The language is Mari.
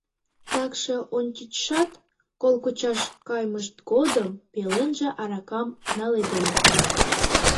Такше ончычшат, кол кучаш каймышт годым, пеленже аракам наледен.